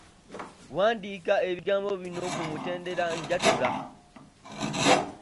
Wandiika ebigambo bino ku mutendera nnanjatula.